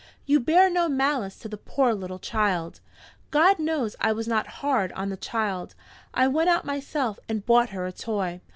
You bear no malice to the poor little child?" God knows I was not hard on the child! I went out myself and bought her a toy.